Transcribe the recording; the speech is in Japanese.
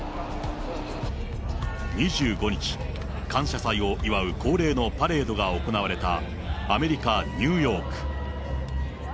２５日、感謝祭を祝う恒例のパレードが行われたアメリカ・ニューヨーク。